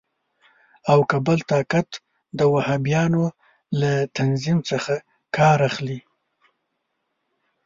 او که بل طاقت د وهابیانو له تنظیم څخه کار اخلي.